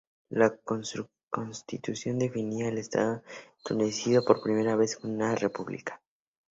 La constitución definía al estado tunecino por primera vez como una república.